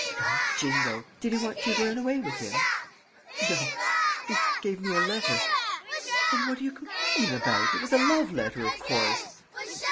"By jingo! Did he want you to run away with him?" "No, he gave me a letter...." "Then what are you complaining about? It was a love letter, of course!"